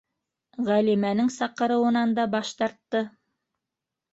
Ғәлимәнең саҡырыуынан да баш тартты.